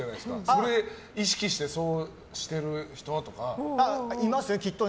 それ意識して、そうしてる人とか。いますよ、きっとね。